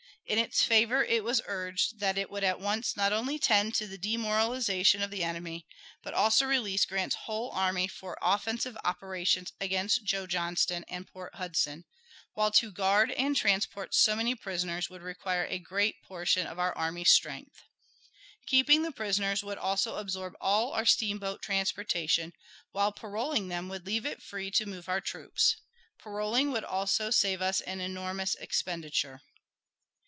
In its favor it was urged that it would at once not only tend to the demoralization of the enemy, but also release Grant's whole army for offensive operations against Joe Johnston and Port Hudson, while to guard and transport so many prisoners would require a great portion of our army's strength. Keeping the prisoners would also absorb all our steamboat transportation, while paroling them would leave it free to move our troops. Paroling would also save us an enormous expenditure.